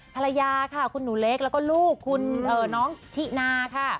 ภรรยาข้าคคุณหนูเล็กแล้วก็ลูกคุณน้องคเลยนะค่ะ